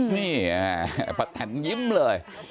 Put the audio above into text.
นี่ป้าแตนยิ้มเลย